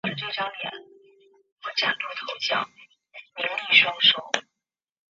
秘书处逐渐成长为一匹魁伟且强而有力的马匹。